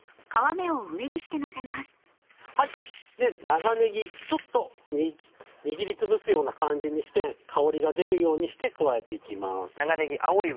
長ねぎちょっと握りつぶすような感じにして香りが出るようにして加えていきます。